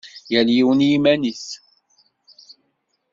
Yal yiwen i yiman-is.